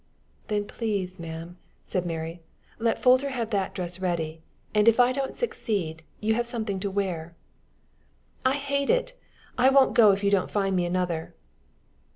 "Then, please, ma'am," said Mary, "let Folter have that dress ready, and, if I don't succeed, you have something to wear." "I hate it. I won't go if you don't find me another."